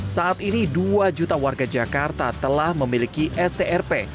saat ini dua juta warga jakarta telah memiliki strp